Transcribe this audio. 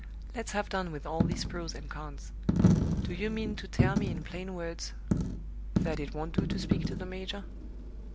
Let's have done with all these pros and cons. Do you mean to tell me in plain words that it won't do to speak to the major?"